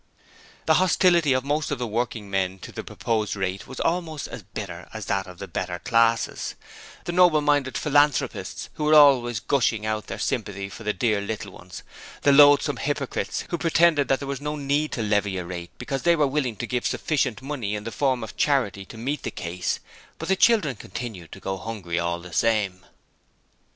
The hostility of most of the working men to the proposed rate was almost as bitter as that of the 'better' classes the noble minded philanthropists who were always gushing out their sympathy for the 'dear little ones', the loathsome hypocrites who pretended that there was no need to levy a rate because they were willing to give sufficient money in the form of charity to meet the case: but the children continued to go hungry all the same.